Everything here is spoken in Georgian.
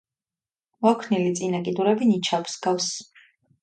მოქნილი წინა კიდურები ნიჩაბს ჰგავს.